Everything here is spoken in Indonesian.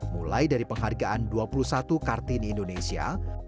mulai dari penghargaan dua puluh satu karti di indonesia